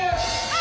あ！